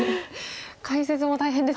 解説も大変ですよね。